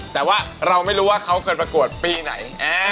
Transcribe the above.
แต่ว่าเราไม่รู้ว่าเขาเคยประกวดปีไหน